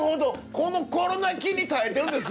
このコロナ菌に耐えてるんです